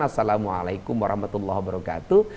assalamualaikum warahmatullahi wabarakatuh